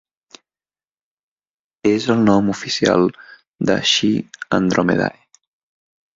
És el nom oficial de xi Andromedae.